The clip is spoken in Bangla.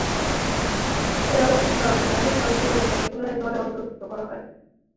রাল্ফ ব্রাউন আঘাতপ্রাপ্ত হলে তাঁকে পুণরায় দলে অন্তর্ভূক্ত করা হয়।